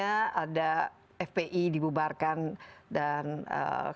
yang friendly yang tolerant dan lain sebagainya